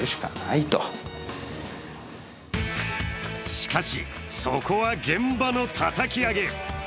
しかし、そこは現場のたたき上げ。